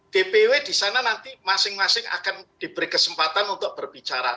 dpw di sana nanti masing masing akan diberi kesempatan untuk berbicara